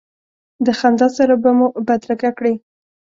د خندا سره به مو بدرګه کړې.